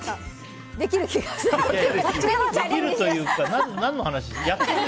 できるというか、何の話？